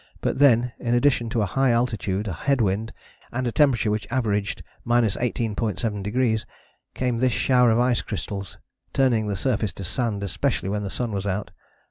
But then, in addition to a high altitude, a head wind, and a temperature which averaged 18.7°, came this shower of ice crystals, turning the surface to sand, especially when the sun was out.